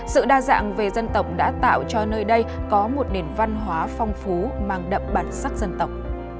sự đa dạng về dân tộc đã tạo cho nơi đây có một nền văn hóa phong phú mang đậm bản sắc dân tộc